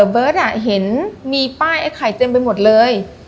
เบิร์ตเห็นมีป้ายไอ้ไข่เต็มไปหมดเลย